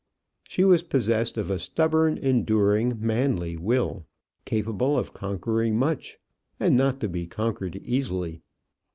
She was possessed of a stubborn, enduring, manly will; capable of conquering much, and not to be conquered easily.